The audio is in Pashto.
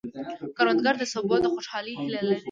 کروندګر د سبو د خوشحالۍ هیله لري